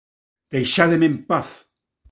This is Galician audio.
Deixádeme en paz!”